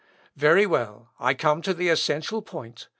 _ "Very well, I come to the essential point.